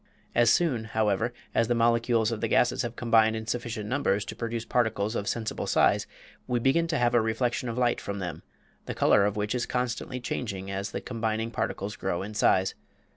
As soon, however, as the molecules of the gases have combined in sufficient numbers to produce particles of sensible size we begin to have a reflection of light from them, the color of which is constantly changing as the combining particles grow in size.